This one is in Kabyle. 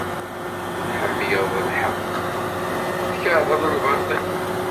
Tḥemmleḍ lḥeqq, tkerheḍ lbaṭel.